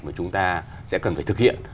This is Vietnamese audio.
mà chúng ta sẽ cần phải thực hiện